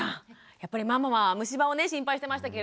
やっぱりママは虫歯をね心配してましたけれども。